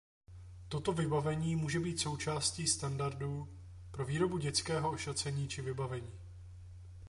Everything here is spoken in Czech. Toto vybavení může být součástí standardů pro výrobu dětského ošacení či vybavení.